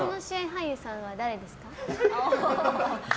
俳優さんは誰ですか？